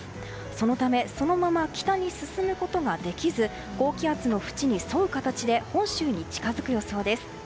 そのため、そのまま北に進むことができず高気圧のふちに沿う形で本州に近づく予想です。